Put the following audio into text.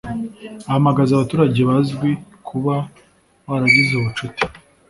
ahamagaza abaturage bazwi kuba baragize ubucuti